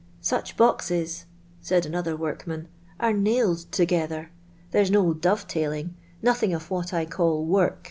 'Such loxes,' said another workman, ' are nailed together ; tht re "s no dove tailing, nothing of w hat I caU .:\ r.< .